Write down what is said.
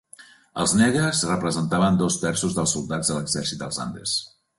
Els negres representaven dos terços dels soldats de l'exèrcit dels Andes.